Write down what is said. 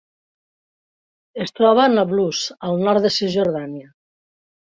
Es troba a Nablus, al nord de Cisjordània.